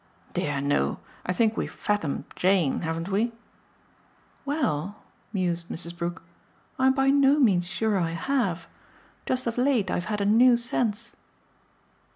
"Dear no. I think we've fathomed 'Jane,' haven't we?" "Well," mused Mrs. Brook, "I'm by no means sure I have. Just of late I've had a new sense!"